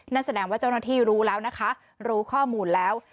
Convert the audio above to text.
นั่นแสดงว่าเจ้าหน้าที่รู้แล้วนะคะรู้ข้อมูลแล้ว